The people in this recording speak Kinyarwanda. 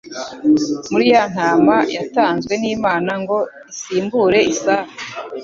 Muri ya ntama yatanzwe n'Imana ngo isimbure Isaka,